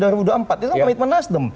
itu kan pemikiran nasdem